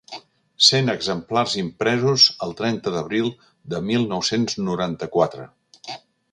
Cent exemplars impresos el trenta d'abril de mil nou-cents noranta-quatre.